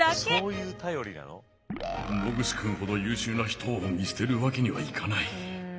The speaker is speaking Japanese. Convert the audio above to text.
野口君ほど優秀な人を見捨てるわけにはいかない。